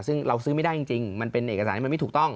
ซึ่งเราซื้อไม่ได้จริงมันเป็นเอกสารที่มันไม่ถูกต้อง